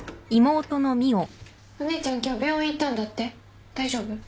お姉ちゃん今日病院行ったんだって？